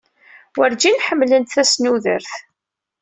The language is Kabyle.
Werǧin ḥemmlent tasnudert.